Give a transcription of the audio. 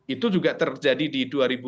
itu juga terjadi di dua ribu empat belas